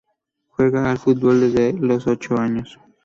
Juega al fútbol desde los ocho años.